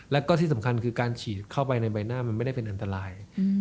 แล้วก็ที่สำคัญคือการฉีดเข้าไปในใบหน้ามันไม่ได้เป็นอันตราย